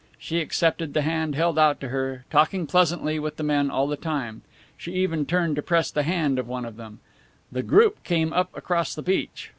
She accepted the hand held out to her, talking pleasantly with the men all the time. She even turned to press the hand of one of them. The group came up across the beach.